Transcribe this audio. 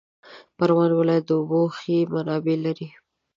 پروان ولایت د اوبو ښې منابع لري